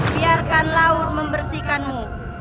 biarkan laur membersihkanmu